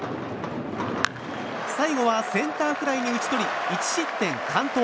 最後はセンターフライに打ち取り１失点の完投。